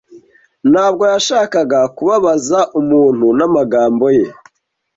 Ntabwo yashakaga kubabaza umuntu n'amagambo ye.